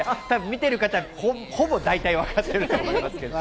見てる方、ほぼ大体わかってると思います。